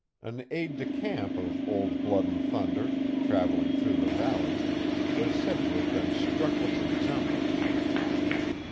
An aid de camp of Old Blood and Thunder, travelling through the valley, was said to have been struck with the resemblance.